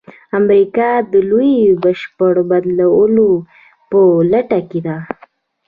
امریکا د لوبې د بشپړ بدلولو په لټه کې ده.